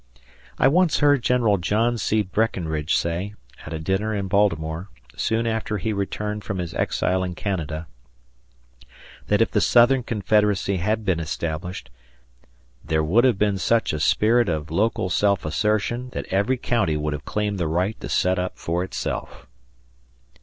I once heard General John C. Breckenridge say, at a dinner in Baltimore, soon after he returned from his exile in Canada, that if the Southern Confederacy had been established, "there would have been such a spirit of local self assertion that every county would have claimed the right to set up for itself."